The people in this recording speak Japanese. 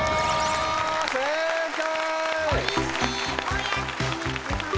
正解！